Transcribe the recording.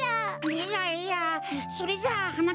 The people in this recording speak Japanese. いやいやそれじゃあはな